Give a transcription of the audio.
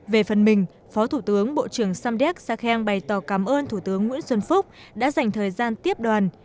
về phần mình phó thủ tướng bộ trưởng samdek sakheng bày tỏ cảm ơn thủ tướng nguyễn xuân phúc đã dành thời gian tiếp đoàn